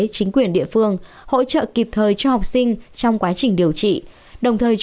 chính quyền địa phương hỗ trợ kịp thời cho học sinh trong quá trình điều trị